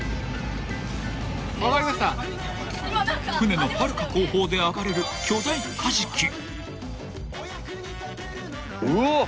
［船のはるか後方で暴れる巨大カジキ］